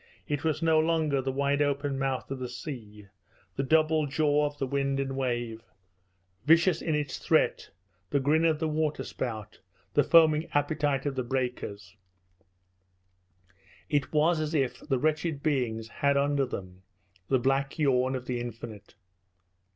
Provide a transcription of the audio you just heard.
It was no longer the wide open mouth of the sea, the double jaw of the wind and the wave, vicious in its threat, the grin of the waterspout, the foaming appetite of the breakers it was as if the wretched beings had under them the black yawn of the infinite.